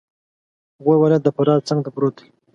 غور ولایت د فراه څنګته پروت دی